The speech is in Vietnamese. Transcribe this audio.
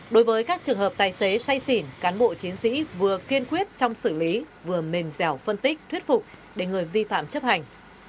đối với các trường hợp tài xế say xỉn cán bộ chiến sĩ vừa kiên quyết trong xử lý vừa mềm dẻo phân tích thuyết phục để người vi phạm chấp hành